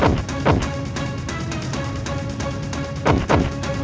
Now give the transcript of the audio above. atutlah kalau dengan kesalahan diyeu